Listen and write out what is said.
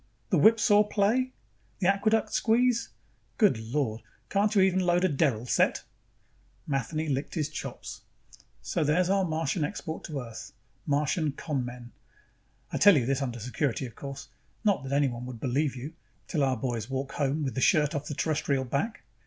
The whipsaw play? The aqueduct squeeze? Good Lord, can't you even load a derrel set?" Matheny licked his chops. "So there's our Martian export to Earth. Martian con men. I tell you this under security, of course not that anyone would believe you, till our boys walk home with the shirt off the Terrestrial back."